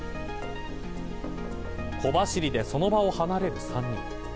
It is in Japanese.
小走りでその場を離れる３人。